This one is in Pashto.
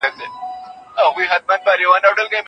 څېړنه د پوهي د ترلاسه کولو غوره لاره ده.